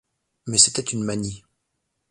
Mais c’était une manie.